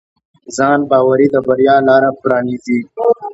ځانباوري د بریا لاره پرانیزي.